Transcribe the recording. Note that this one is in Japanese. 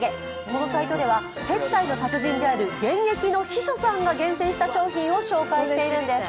このサイトでは接待の達人である現役の秘書さんが厳選しているんです。